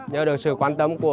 nhớ được sự quan tâm của